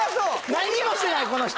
何もしてないこの人。